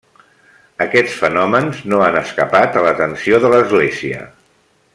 Aquests fenòmens no han escapat a l'atenció de l'Església.